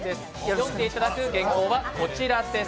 読んでいただく原稿は、こちらです。